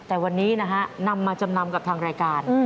แต่วันนี้นะฮะนำมาจำนำกับทางรายการ